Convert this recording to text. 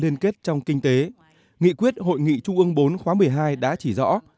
nghị quyết hội nghị trung ương bốn khóa một mươi hai đã chỉ rõ